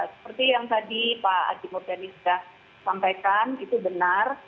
seperti yang tadi pak adi murdani sudah sampaikan itu benar